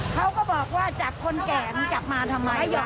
เขาก็บอกว่าจับคนแก่มึงจับมาทำไม